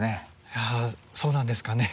いやそうなんですかね？